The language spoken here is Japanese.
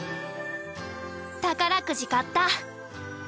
宝くじ買った！